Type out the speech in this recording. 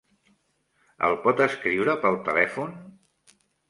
El pot escriure pel telèfon?